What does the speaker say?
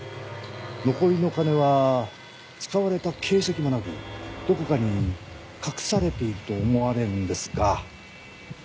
残りの金は使われた形跡がなくどこかに隠されていると思われるんですが。